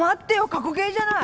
過去形じゃない？